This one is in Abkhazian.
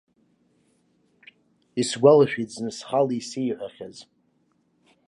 Исгәалашәеит зны схала исеиҳәахьаз.